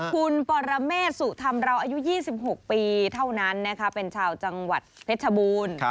คุณปรเมฆสุธรรมเราอายุ๒๖ปีเท่านั้นนะคะเป็นชาวจังหวัดเพชรบูรณ์